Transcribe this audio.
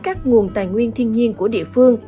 các nguồn tài nguyên thiên nhiên của địa phương